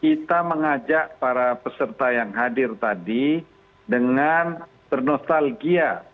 kita mengajak para peserta yang hadir tadi dengan bernostalgia